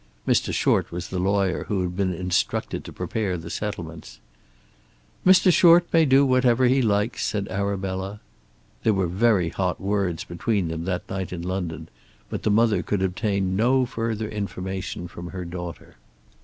Mr. Short was the lawyer who had been instructed to prepare the settlements. "Mr. Short may do whatever he likes," said Arabella. There were very hot words between them that night in London, but the mother could obtain no further information from her daughter.